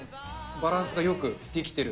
バランスがよく出来ている。